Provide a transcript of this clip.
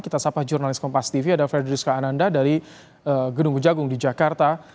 kita sapa jurnalis kompas tv ada fredrizka ananda dari gedung kejagung di jakarta